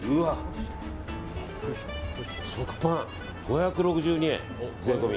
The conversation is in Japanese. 食パン、５６２円、税込み。